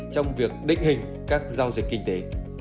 trong việc đích hình các giao dịch kinh tế